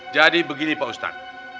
jadi begini pak ustaz